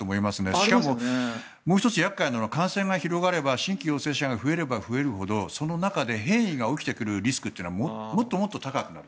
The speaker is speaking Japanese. しかももう１つ厄介なのは感染が広がれば新規陽性者が増えれば増えるほどその中で変異が起きてくるリスクっていうのはもっともっと高くなる。